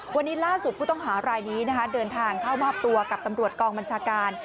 วันนี้ล่าสุดผู้ต้องหารายนี้เดินทางเข้ามอบตัวกับตำรวจกองบัญชาการ